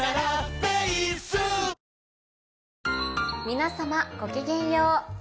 皆様ごきげんよう。